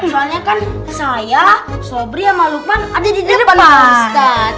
soalnya kan saya sobri sama lukman ada di depan masjid